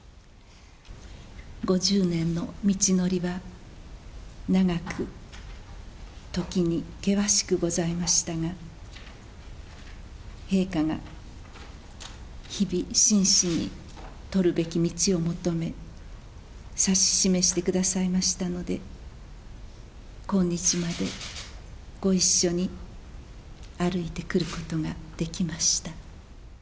５０年の道のりは長く、時に険しくございましたが、陛下が日々真摯に取るべき道を求め、指し示してくださいましたので、今日までご一緒に歩いてくることができました。